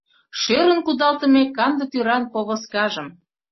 Шӧрын кудалтыме канде тӱран повозкажым